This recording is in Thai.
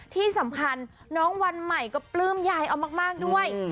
ที่สำคัญน้องวันใหม่ก็ปลื้มยายเอามากด้วย